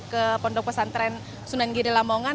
ke pondok pesantren sunan gide lamongan